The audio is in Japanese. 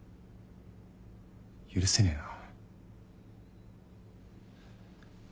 許せねえな。